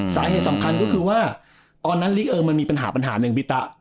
สาเหตุสำคัญก็คือว่าตอนนั้นลีกเออมันมีปัญหาปัญหาหนึ่งพี่ตะ